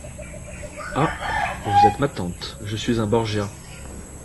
Ah! vous êtes ma tante ! je suis un Borgia !